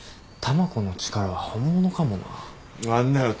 たまこの力は本物かもな。